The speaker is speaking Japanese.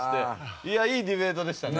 いやあいいディベートでしたね。